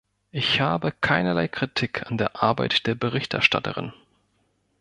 Ich habe keinerlei Kritik an der Arbeit der Berichterstatterin.